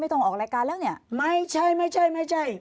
ไม่ต้องออกรายการแล้วเนี้ยไม่ใช่ไม่ใช่ไม่ใช่